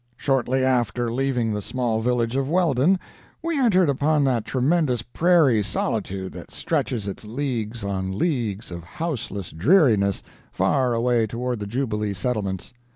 Shortly after leaving the small village of Welden, we entered upon that tremendous prairie solitude that stretches its leagues on leagues of houseless dreariness far away toward the Jubilee Settlements.